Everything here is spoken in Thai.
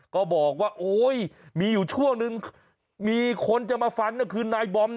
ก็บอกว่าโอ๊ยมีอยู่ช่วงนึงมีคนจะมาฟันก็คือนายบอม